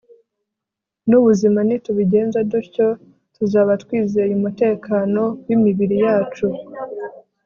n'ubuzima. nitubigenza dutyo, tuzaba twizeye umutekano w'imibiri yacu